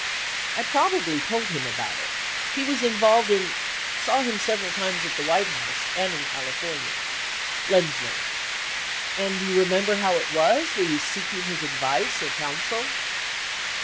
I probably told him about it. He was involved in saw him several times at the White House and in California. Lexzxf.ii. And do you remember how it was, were you seeking his advice or counsel